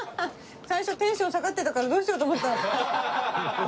最初テンション下がってたからどうしようと思ったら。